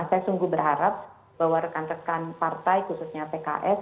saya sungguh berharap bahwa rekan rekan partai khususnya pks